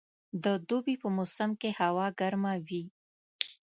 د دوبي په موسم کښي هوا ګرمه وي.